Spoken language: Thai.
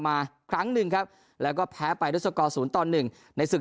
มาครั้งหนึ่งครับแล้วก็แพ้ไปด้วยสกอร์๐ต่อ๑ในศึก